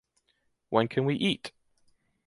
When can we eat?